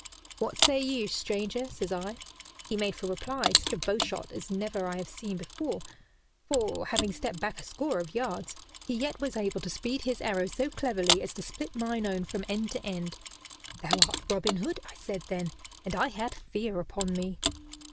'What say you, stranger?' says I. He made for reply such a bowshot as never I have seen before; for, having stepped back a score of yards, he yet was able to speed his arrow so cleverly as to split mine own from end to end. 'Thou art Robin Hood,' I said then, and I had fear upon me."